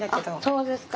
そうですか。